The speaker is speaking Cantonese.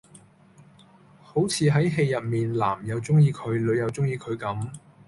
好似喺戲入邊男又鍾意佢女又鍾意佢咁